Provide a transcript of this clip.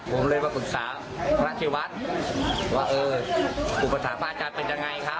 ผมเลยว่าก่อนขาพระอาธิวัตรว่าอุปฏิหักพระอาจารย์เป็นยังไงครับ